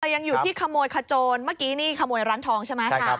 แต่ยังอยู่ที่ขโมยขโจรเมื่อกี้นี่ขโมยร้านทองใช่ไหม